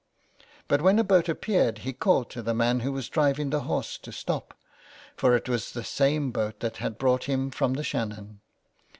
But when a boat appeared he called to the man who was driving the horse to stop, for it was the same boat that had brought him from the Shannon.